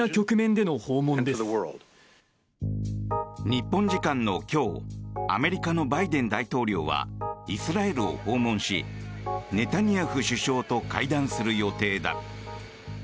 日本時間の今日アメリカのバイデン大統領はイスラエルを訪問しネタニヤフ首相と会談する予定だ。